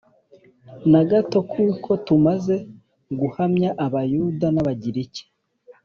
na gato Kuko tumaze guhamya Abayuda n Abagiriki